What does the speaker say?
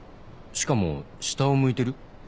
しかも下を向いてる？